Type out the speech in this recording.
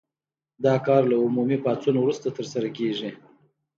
دا کار له عمومي پاڅون وروسته ترسره کیږي.